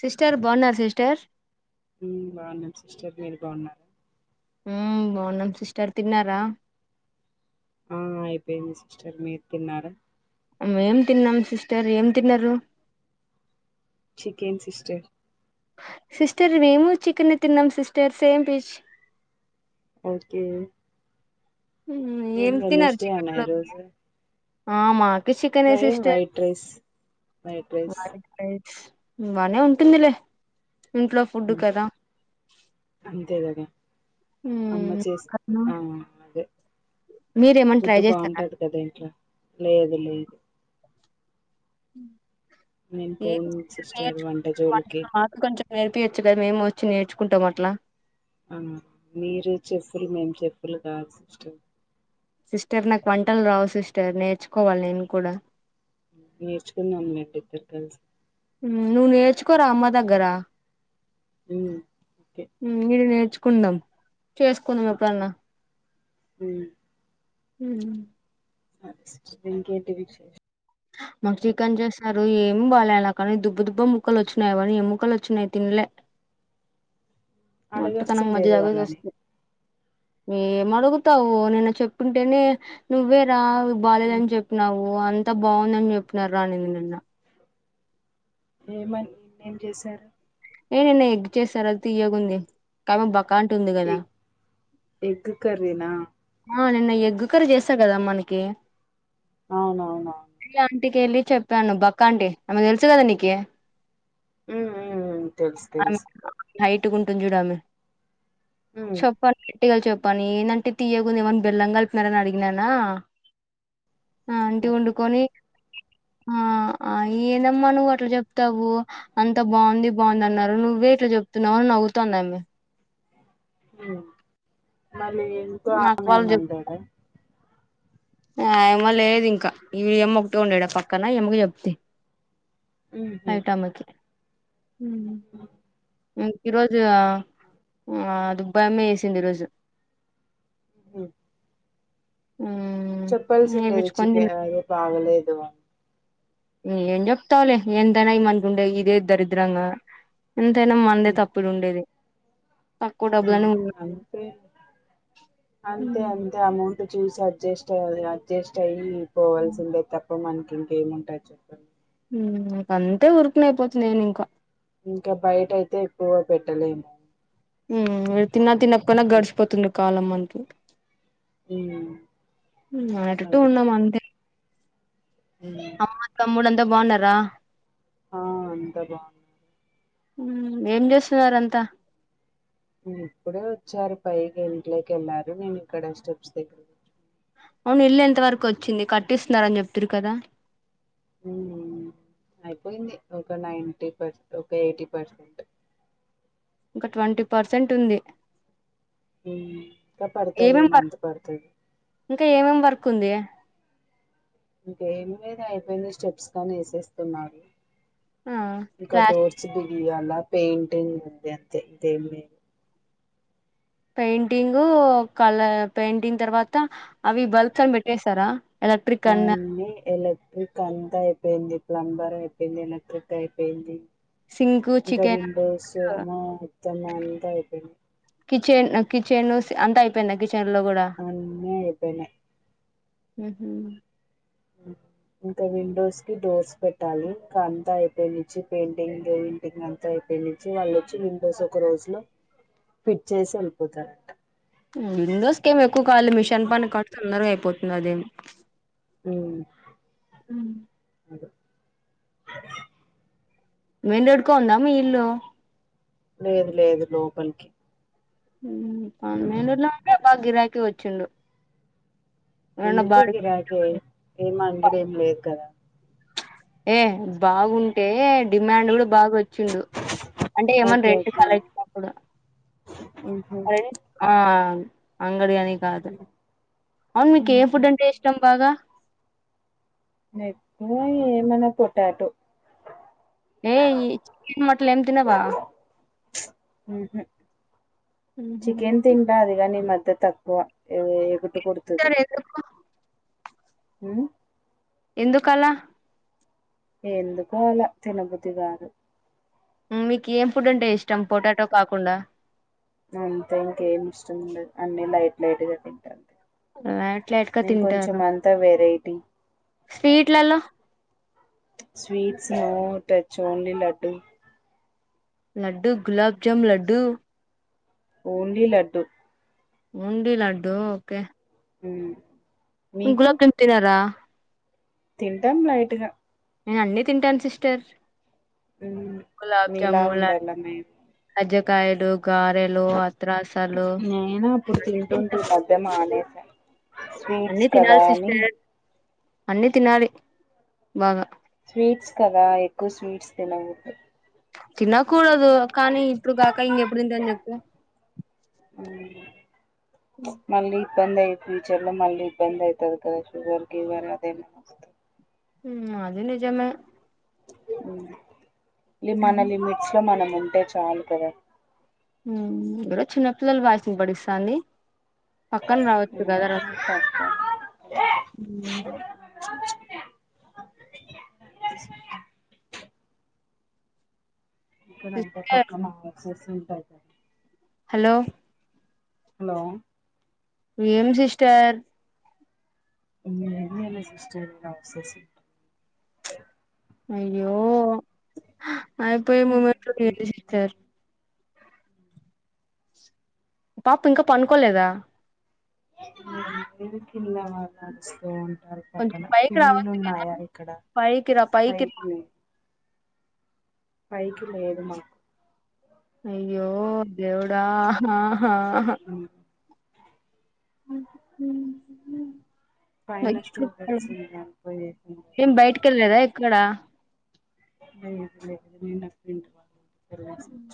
Sister బావున్నారా sister ఉ బాగున్నాం సిస్టర్ మీరు బాగున్నార ఉ బాగున్నాం సిస్టర్ తిన్నారా ఆ అయిపోయింది సిస్టర్ మీరు తిన్నారా మేం తిన్నాం సిస్టర్ ఏం తిన్నారు చికెన్ సిస్టర్ సిస్టర్ మేము చికనే తిన్నాం సిస్టర్ సేమ్ పీజ్ ఓకే ఏం తిన్నారు చికెన్ లోకి ఆ మాక్ ప్రైన్ వైట్ రైస్ వైట్ రైస్ బనే ఉంటుందిలే ఇంట్లో ఫుడ్ హ్మ్ కదా అంతే కదా అమ్మ చేసి మ్మ్ ఆ అదే మీరేమన్నా ట్రై ఫుడ్ చేస్తారా బాగుంటది కదా ఇంట్లో లేదు లేదు ఉ నేను పోను సిస్టర్ వంటజోలికి నేర్పీయొచ్చు కదా మేము వచ్చి నేర్చుకుంటాం అట్లా అవున మీరు చెప్పులు మేము చెప్పులు కాదు సిస్టం సిస్టర్ నాకు వంటలు రావు సిస్టర్ నేర్చుకోవాలి నేను కూడ నేర్చుకుందాం లెండి ఇద్దరం కలిసి హు నువ్వు నేర్చుకోనిరా అమ్మ దగ్గరా అమ్ హు మీరు నేర్చ్ కుందం చేసుకుందం ఎప్పుడన్నా ఉహ్ హ్మ్ థాంక్స్ ఇంకేంటి విశేష మాకు చికెన్ చేసినారు ఏమి బాలేలా కానీ దుబ్బ దుబ్బ ముక్కలు వచ్చినయి కానీ ఏ ముక్కలు వచ్చినయి తినలే మట్టసనంగా మజ్జిగ అడగాల్సిండేది తాగేసి వాళ్ళని వస్తున్న ఏమడుగుతావు నిన్న చెప్తుంటనే నువ్వే రావు బాలేదని చెప్పినావు అన్ అంత బాగుందని చెప్తున్నారు రా నిన్న ఏమని నిన్నేం చేశారు ఏ నిన్న ఎగ్ చేసార అది తీయ్యగుంది కావ బ్ ఎగ్ ఎగ్ కర్రీ నా ఆ నిన్న ఎగ్ కర్రీ చేసారు కదా మనకీ అవునవునవును ఇంటికి వెళ్ళి చెప్పాను బక్క అంటీ ఆమె తెలుసు కదా నీకీ ఉమ్ ఉమ్ తెలుసు తెలుసు నైట్ గుంటుంది చూడు ఆమె ఉమ్ చెప్పాలి గట్టిగా చెప్పాను ఏంది ఆంటీ తీయ్యగుంది ఏమన్న బెల్లం కలిపినారని అడిగినానా ఆ ఆంటీ వండుకొని ఆ ఎందమ్మా నువ్వు అట్లా చెప్తావు అంత బాగుంది బాగుందన్నారు నువ్వే ఇట్ల చెప్తున్నావు నవ్వుతంది ఆమే హ్మ్మ్ మళ్ళీ ఇంట్లో నాకు ఆమె ఏమనలేద ఆ ఏమో లేదు ఇంక ఈ అమ్మ ఒక్కటే ఉండే ఈడ పక్కన ఏమకి చెప్తీ ఉహు నైయిట్ ఆమెకి హు హ్మ్మ్ ఇంక ఈరోజు ఆ ఆ దుబ్బాయమ్మే వేసింది ఈరోజు చెప్పల్సి ఇది వేపించుకొని తిన్న చికన్ అ బాగా లేదు ఏం చెప్తావలే ఎంత అయిన ఈ మనకుండేయి ఇదే దరిద్రంగా ఎంతైనా మనదే ఉమ్ తప్పుడు ఉండేది తక్కువ ఉమ్ డబ్బులని అంతే అంతే అంతే అమౌ చూసి అడ్జస్ట్ అవ్వాలి అడ్జస్ట్ అయ్యి పోవాల్సి ఉందే తప్ పొ మనకి ఇంకేమి ఉంటాయి చెప్పి హ్మ్మ్ ఇక అంతే ఉరుకునెపోతుంది నేను ఇంకా ఇంకా బయట అయితే ఎక్కువ గా పెట్టలేము ఉమ్ తిన్న తిన్నకపోయిన గడ్శిపోతోందిగి కాలం అంతె ఉమ్ హ్మ్మ్ అటుటు అదే ఉన్నామంతే ఉమ్ అమ్మ తమ్ముడంత అంత బాగున్నార ఆ అంతా బాగుంది ఊ ఏం చేస్తున్నారంతా ఉమ్ ఇప్పుడే వచ్చారు పైకి ఇంట్లోకి వెళ్ళారు నేను ఇక్కడ స్టెప్స్ దగ్గ అవును ఇల్లు ఎంత వరకు వొచ్చింది కట్టిస్తున్నరు అని చేప్తిరి కదా ఊ ఉమ్ అయిపోయింది ఒక నైన్టీ పర్స ఒక ఎయిటి పర్సెంట్ ఇంకా ట్వంటీ పర్సెంట్ ఉంది ఇంకా పడుతది ఈ ఏమేం వర్క్ మంత్ పడుతుంది ఇంకా ఏమేం వర్క్ ఉంది ఇంకేం మీద అయిపోయింది స్టెప్స్ కానీ వేసేస్తున్నాడు ఆ ఇక ప్లాస్ డోర్స్ బుల్ లా పెయింటింగ్ ఉంది అంతే ఇంకా ఏంలేదు పెయింటింగ్ కల పెయింటింగ్ తర్వాత అవి బల్బ్స్ అన్ని పెట్టేసారా ఎలక్ట్రిక్ అన్న అన్ని ఎలక్ట్రక్ అంతా పోయింది ప్లంబర్ అయిపోయింది ఎలక్ట్రిక్ అయిపోయింది సింక్ ఇంకా చికెన్ విండోస్ మొత్తం అంత ఐపోయింది కిచెన్ కిచెన్ స్ అంత అయిపోయింద కిచ అన్ని ఐపోయినై హు హ్మ్మ్ ఇంకా విండోస్ కి డోర్స్ పెట్టాలి ఇంకా అంతా అయిపోయి నుంచి పెయింటింగ్ పెయింటింగ్ అంతా అయిపోయి నుంచి వాళ్ళుొచ్చి విండోస్ ఒక రోజు లో ఫిట్ చేసి వెళ్ళిపోతారంట. విండోస్కి ఏమి ఎక్కువకాలి మిషన్ పని కడుతున్నారు అయిపోతుంది అదేం హ్మ్మ్ ఉమ్ మేన్ రోడ్ కొ ఉందా మీ ఇల్లు లేదు లేదు లోపల్కి ఉమ్ మేన్ రోడ్ లొ ఉంటే బాగ గిరాకీ కి వచ్చిండు ఏమన్నా ఎందుకు బాడికి గిరాకే ఏమ ఇక్కడేం లేదు కదా ఏ బాగుంటే డిమాండ్ కూడా బాగా వచ్చిండు అంటే ఏమన్నా ఓకే రెట్ ఓకే కళ వచ్చినప్పుడు ఉహు అర ఆ అవును బిర్యానీ కాదు అవును మీకు ఏ ఉహు. ఫుడ్ అంటే ఇష్టం బాగా నప్పు ఏ మన పొటాటో ఏ ఈ చికెన్ మటన్ ఏం తినవా హు హ్మ్మ్ చికెన్ తింటడా అదిగా ని మత్ తక్కువ ఏ తుది సరే ఎందుకు ఉమ్ ఎందుకలా ఎందుకు అలా తినబుద్ధి గాదు మీకు ఏం ఫుడ్ అంటే ఇష్టం పొటాటో కాకుండా అంతే ఇంకేమి ఇష్టం ఉండదు అన్ని లైట్ లైట్గా తింటాను లైట్ లైట్ గా తింటాను అంతా variety sweets no touch only డ్డూ laddu gulab jamun laddu only laddu only laddu okay హ్మ్మ్ గులాబ్ జామ్ తినారా తింటాం లైట్ గా నేను అన్నీ తింటాను సిస్టర్ మ్మ్ గులాబ్ మీలా జాముల్ ఉండాల మేము అన్ కయలో నేను అప్పుడు అన్ని తింటుంటి తింటా ఈ మధ్య మానేసి కాలక్ స్వీట్స్ అన్ని కదా తినాలి అని సిస్టర్ అన్ని తినాలి బాగ స్వీట్స్ కదా ఎక్కువ స్వీట్స్ తినన్ తినకూడదు కానీ ఇప్పుడు కాక ఇంకెప్పుడు తింటం చెప్ మళ్ళీ ఇబ్బంది అయి ఫ్యూచర్ లో మళ్ళీ ఇబ్బంది అయితది కదా శుగర్ గివర్ అదే అది నిజమే అ మన లిమిట్స్ లో మనం ఉంటే చాలు కదా చిన్నపిల్లల వాయిస్ ఇనబడిస్తాంది పక్కన రావచ్చు కద రా [inaudible] ఇక్కడ అంటే సిస్టర్ పక్కన ఎక్సెసిం [inaudible] హలో హలో ఏం సిస్టర్ మీరు ఎన్ని ఇయర్గ అసిస్టెంట్ గ చేస్ ఆ అయిపోయే మూమెంట్లో ఏంది సిస్టర్ పాప్ ఇంకా పనుకోలేదా కి మశం కొద్దిగా పైకి రావచ్చు కద పైకి రా పైకి పైకి లేేదు మా అయ్యో దేవుడా హ ఆహ పైన స్టూడెంట్స్ లేదు ఏం బయటికి ఏళ్లలేద ఎక్కడ ఇంక ఇప్పుడే తిన్న తింటున్న ఎలా సచ్చ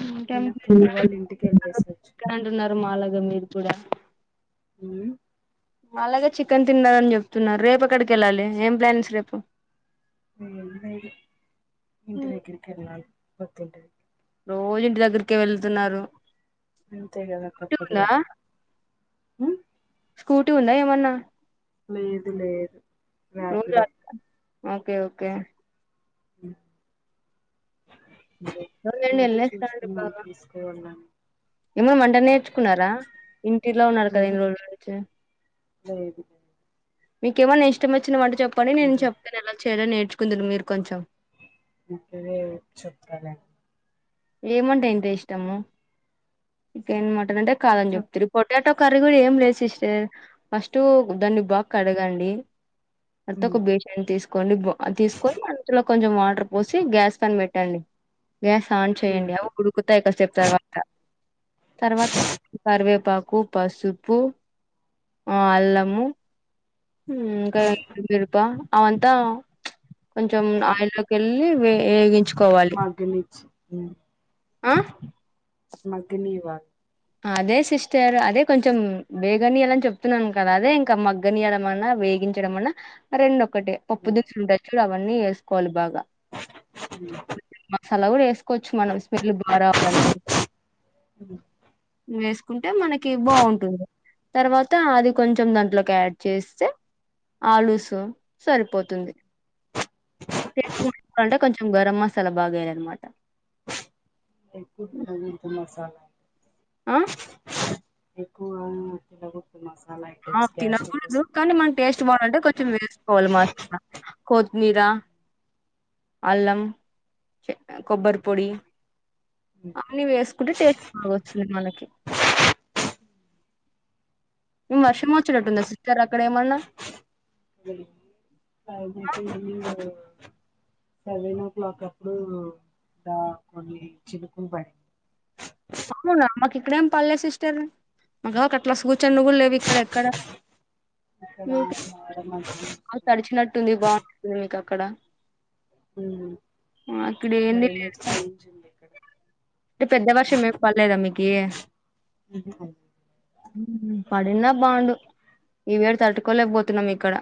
చికెన్ నిన్న ఫ్రెండు వాళ్ళ ఇంటికి ఎల్లేసొచ్చ మాలాగ మీరు కూడ హుమ్ అలాగే చికెన్ తిన్నారని చెప్తున్నారు రేపు అక్కడికి వెళ్ళాలి ఏం ప్లాన్స్ రేపు ఏమి లేదు ఇంటి దగ్గరికి ఎల్లాలి గుర్తుంటది రోజు ఇంటి దగ్గరకే వెళతున్నారు అంతే కదా తప్పదు కదా మ్మ్ స్కూటీ ఉందా ఏమన్నా లేదు లేదు ర్యాపిడో [unintelligible] ఓకే ఓకే [inaudible] [unintelligible] ఒకటి వెళ్ళొస్తాండు చూస్తున్నాం బావా తీసుకోవాలని ఏమో వంట నేర్చుకున్నారా ఇంటిలో ఉన్నారు కదా ఉహు ఇన్ని రోజుల నుంచి లేదు మీకేమన్నా ఇష్టం వచ్చిన వాంటకి చెప్పండి నేను చెబ్తను ఎలా చేయలో నేర్ మచ్చుకుందురు మీరు కొంచెం ఇంకాదేది చెప్పాలే ఏమంటే ఏంటే ఇష్టము చికెన్ మటన్ అంటే కాదని చెప్ చెప్తిరి పొటాటో కర్రీ కూడా ఏం లేదు సిస్టర్ ఫస్ట్ టు దాన్ని బాగా కడగండి అతే ఉమ్, ఒక బేషన్ తీసుకోండి బ్ తీసుకొని అందులో కొ కొంచెం వాటర్ పోసి గ్యాస్ పైన పెట్టండి గ్యాస్ స్ట్ ఆన్ ఉమ్, చేయండి అవ్ ఉడుకుతాయి కాసేపు తర్వాత తర్వాత కరివేపాక్ కు పసుపు ఆ అల్లము హ్మ్ ఇంకా ఏంటిది రూపా అవంతా కొంచెం ఆయిల్లోకి ఎళ్ళి వే ఎగి మగ్గనిచ్చి ఆ మగ్గినివా అదే సిస్టర్ అదే కొంచెం బేగనియలని చెప్తున్నాన్ కదా అదే ఇంకా మగ్గనియడం అన్నా వేగించడం అన్నా రెండు ఓక్ ఒకటే పప్పు ఉమ్, దినుసులుంటాయి చూడు ఇపుడు అవ్వని ఏస్కోవాలి ఇపుడ్ బాగా ఉమ్, చల్ల కూడా ఎస్ కొచ్చు మనం స్మెల్ బా రావాలనుకుంటే ఉమ్. వేసుకుంటే మనకి బాగుంటుంది తర్వాత అది కొంచెం దాంట్లోకి యాడ్ చేస్తే ఆలూస్ సరిపోతుంది టేస్టకావాలంటే కొంచెం గరం మసాలా బాగాయాలనమాట ఎక్కువ తినకూడదు ఆ ఎక్కువటిలా గుప్తు మస్ ఆఫ్ తినకూడదు కానీ మన టేస్ట్ బాగుంటే కొంచెం వేస్ కోవాలి మాస్తు కొత్తిమీర అల్లం కొబ్బరి పొడి అన్ని వేసుకుంటే టేస్ట్ బాగ వచ్చింది మనకి వర్షం వచ్చేటట్టుందా సిస్టర్ అక్కడ ఏమన్నా ఉమ్ [unintelligible] సెవెన్ ఓ క్లాక్ అప్పుడు దా కొన్ని చినుకులు పడింది అవునా మాకు ఇక్కడేం పల్లే సిస్టర్ మా ప్స్గు చెన్నగులు లేవు ఇక్కడ ఇక్కడ ఇక్కడ మీకు బా మాడమబ్బు తడిచినట్టుంది బాగుంటుంది మీకు అక్కడ హ్మ్మ్ అక్కడ ఏంది క్లైమేట్ చేంజ్ ఉంది ఇక్కడ అంటే పెద్ద వర్షం మేమి పడలేదా మీకి ఈ వేడు తట్టుకోలేకపోతున్నాం ఇక్కడ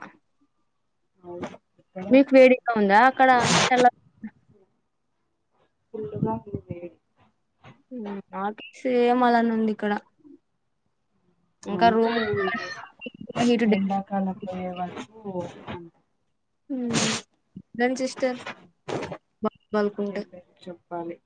అవును ఇక్కడ మీకు వేడిగా ఉందా అక్కడ చల్ ఫుల్లుగా ఉంది వేడి హ్మ్ నాకి సేమ్ అలానే ఉంది ఇక్కడ ఇంకా అంటే రూమ్ హీటు ఉంటై ఎండాకాలం పోయే వరకు హ్మ్మ్ హ్మ్ ఏం సిస్టర్ ఎవరి బాధలు వాళ్ళుకు ఉంటై పాలి